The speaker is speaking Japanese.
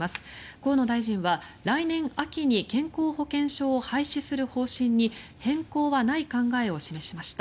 河野大臣は来年秋に健康保険証を廃止する方針に変更はない考えを示しました。